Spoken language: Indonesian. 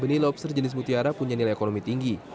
benih lobster jenis mutiara punya nilai ekonomi tinggi